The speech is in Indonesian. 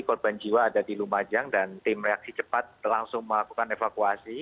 korban jiwa ada di lumajang dan tim reaksi cepat langsung melakukan evakuasi